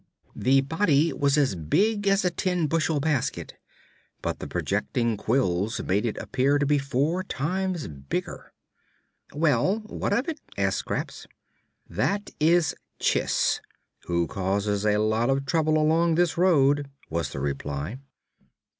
The body was as big as a ten bushel basket, but the projecting quills made it appear to be four times bigger. "Well, what of it?" asked Scraps. "That is Chiss, who causes a lot of trouble along this road," was the reply.